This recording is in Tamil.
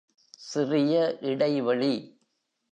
சிறிய இடைவெளி